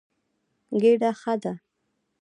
ګېډه ښه ده.